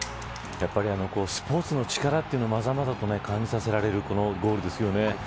やっぱりスポーツの力をまざまざと感じさせられるゴールですよね。